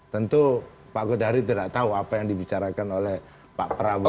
tentu pak godari tidak tahu apa yang dibicarakan oleh pak prabowo